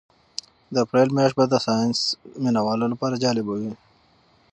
د اپریل میاشت به د ساینس مینه والو لپاره جالبه وي.